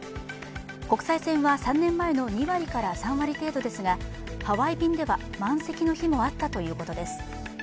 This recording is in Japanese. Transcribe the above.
国際線は３年前の２割から３割程度ですがハワイ便では満席の日もあったということです。